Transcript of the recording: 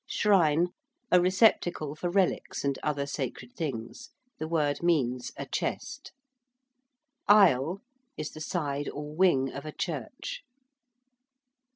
~shrine~: a receptacle for relics and other sacred things. (The word means a 'chest.') ~aisle~ (pronounced [=i]le) is the side or wing of a church.